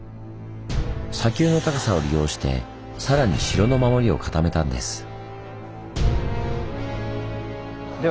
砂丘の高さを利用してさらに城の守りを固めたんです。